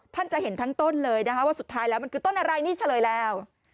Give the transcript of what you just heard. ท่านจะเห็นทั้งต้นเลยนะคะว่าสุดท้ายแล้วมันคือต้นอะไรนี่เฉลยแล้ว